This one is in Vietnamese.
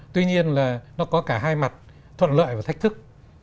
tuy nhiên là nó có cả hai mặt thuận lợi và thách thức